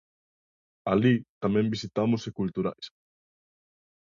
Alí tamén visitamos e culturais.